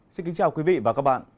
xin kính chào quý vị và các bạn